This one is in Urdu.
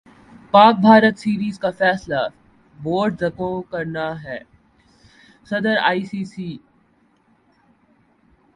پاک بھارت سیریز کا فیصلہ بورڈ زکو کرنا ہےصدر ائی سی سی